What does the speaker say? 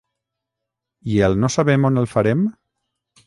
I el no sabem on el farem?